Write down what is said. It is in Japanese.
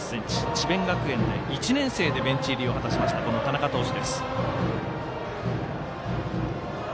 智弁学園で１年生でベンチ入りを果たしました、田中投手。